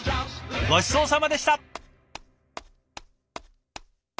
ごちそうさまでした！